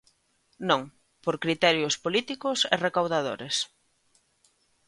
Non, por criterios políticos e recaudadores.